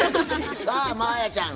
さあ真彩ちゃん